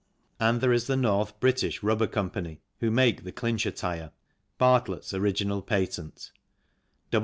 Then there is the North British Rubber Co., who make the Clincher tyre, Bartlett's original patent.